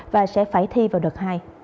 và sẽ phải thi vào đợt hai